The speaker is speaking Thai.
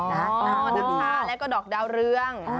อ๋อน้ำชาแล้วก็ดอกเดาเรือง